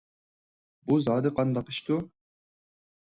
بۇ زادى قانداق ئىشتۇ؟